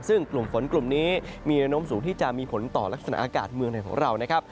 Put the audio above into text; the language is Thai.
ซึ่งกลุ่มฝนกลุ่มนี้มีระนมสูงที่จะมีผลต่อลักษณะอากาศเมืองไทยของเรานะครับ